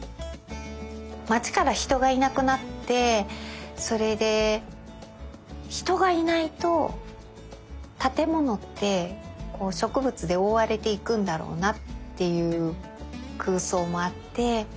街から人がいなくなってそれで人がいないと建物って植物でおおわれていくんだろうなっていう空想もあって。